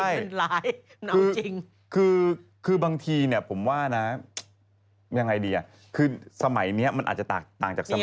ยังไงดีอ่ะคือสมัยนี้มันอาจจะต่างจากสมัยก่อน